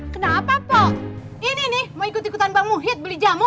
kenapa pak ini nih mau ikut ikutan bang muhid beli jamu